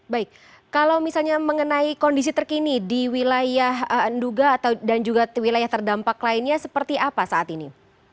baik kalau misalnya mengenai kondisi terkini di wilayah nduga dan juga wilayah terdampak lainnya seperti apa saat ini